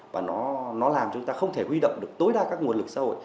và nó làm chúng ta không thể huy động được tối đa các nguồn lực xã hội